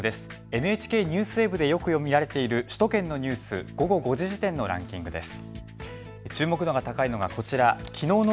ＮＨＫＮＥＷＳＷＥＢでよく見られている首都圏のニュース午後５時時点のランキングです。